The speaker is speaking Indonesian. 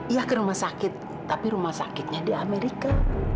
ya ke rumah sakit tapi rumah sakitnya di amerika